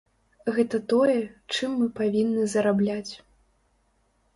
Гэта тое, чым мы павінны зарабляць.